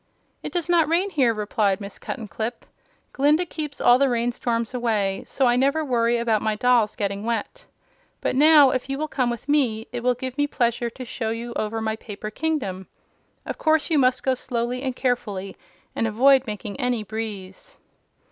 "It does not rain here," replied Miss Cuttenclip. "Glinda keeps all the rain storms away; so I never worry about my dolls getting wet. But now, if you will come with me, it will give me pleasure to show you over my paper kingdom. Of course you must go slowly and carefully, and avoid making any breeze."